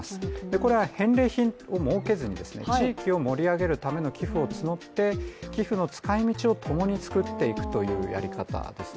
これは返礼品を設けずに、地域を盛り上げるための寄付を募って、寄付の使いみちをともにつくっていくというやり方ですね。